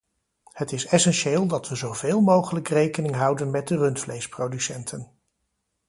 Het is essentieel dat we zo veel mogelijk rekening houden met de rundvleesproducenten.